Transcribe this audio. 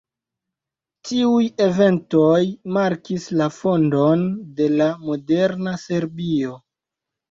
Tiuj eventoj markis la fondon de la moderna Serbio.